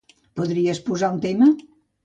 Podries posar un tema?